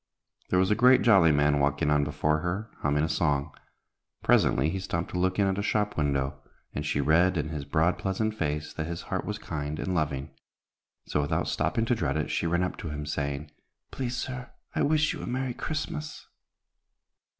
There was a great jolly man walking on before her, humming a song. Presently he stopped to look in at a shop window, and she read in his broad, pleasant face that his heart was kind and loving. So, without stopping to dread it, she ran up to him, saying, "Please, sir, I wish you a merry Christmas."